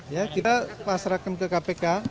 ya kita pasrahkan ke kpk